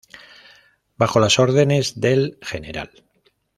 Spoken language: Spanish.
Bajo las órdenes del Gral.